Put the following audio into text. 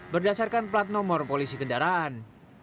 berdasarkan plat nomor polisi kendaraan